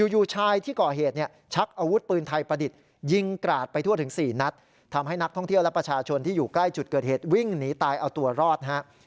อยู่ชายที่ก่อเหตุเนี่ยชักอาวุธปืนไทยประดิษฐ์ยิงกราดไปทั่วถึง๔นัดทำให้นักท่องเที่ยวและประชาชนที่อยู่ใกล้จุดเกิดเหตุวิ่งหนีตายเอาตัวรอดฮะ